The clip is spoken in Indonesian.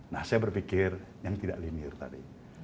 nah saya berpikir yang tidak linier tadi